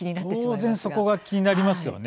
当然そこが気になりますよね。